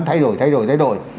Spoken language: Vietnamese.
thay đổi thay đổi thay đổi